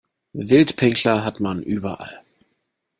Wildpinkler hat man überall.